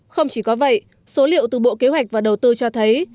không chỉ có vậy số liệu từ bộ kế hoạch và đầu tư cho thấy